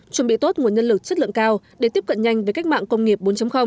chuẩn bị tốt nguồn nhân lực chất lượng cao để tiếp cận nhanh với cách mạng công nghiệp bốn